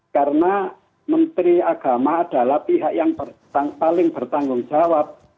karena menteri agama adalah pihak yang paling bertanggung jawab